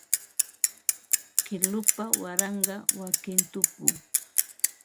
Kilupa waranqa wakin tupu